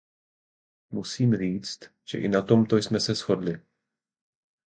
Musím říct, že i na tomto jsme se shodli.